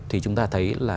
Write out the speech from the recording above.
thì chúng ta thấy là